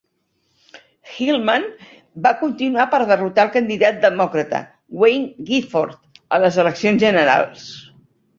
Hillman va continuar per derrotar el candidat demòcrata, Wayne Gifford, a les eleccions generals.